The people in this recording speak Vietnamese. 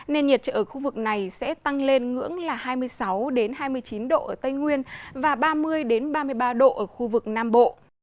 nên nhiệt ở khu vực này sẽ tăng lên ngưỡng là hai mươi sáu hai mươi chín độ ở tây nguyên và ba mươi ba mươi ba độ ở khu vực nam bộ